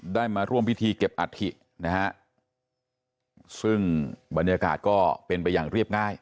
มาร่วมพิธีเก็บอัฐินะฮะซึ่งบรรยากาศก็เป็นไปอย่างเรียบง่าย